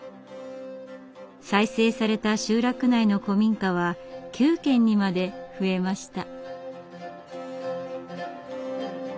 再生された集落内の古民家は９軒にまで増えました。